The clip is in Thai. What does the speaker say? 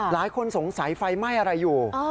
หลายคนสงสัยไฟไหม้อะไรอยู่